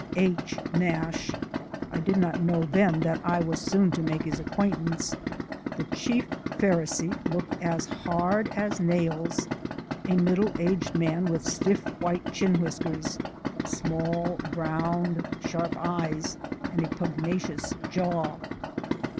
H. Nash (I did not know then that I was soon to make his acquaintance) the Chief Pharisee looked as hard as nails, a middle aged man with stiff chin whiskers, small round, sharp eyes, and a pugnacious jaw.